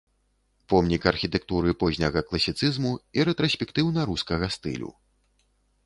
Помнік архітэктуры позняга класіцызму і рэтраспектыўна-рускага стылю.